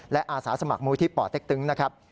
และอาสาสมัครมูลที่ป่อเต็กตึงนะครับ